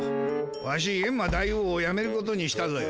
ワシエンマ大王をやめることにしたぞよ。